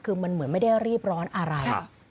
คือมันเหมือนไม่ได้รีบร้อนอะไร